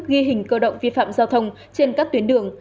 ghi hình cơ động vi phạm giao thông trên các tuyến đường